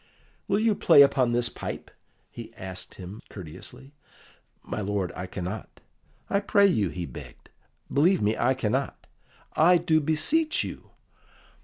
"Will you play upon this pipe?" he asked him courteously. "My lord, I cannot." "I pray you," he begged. "Believe me, I cannot." "I do beseech you."